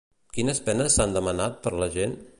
Quines penes s'han demanat per l'agent?